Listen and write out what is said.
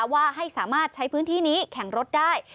ว่าให้สามารถใช้พื้นที่นี้แข่งรถได้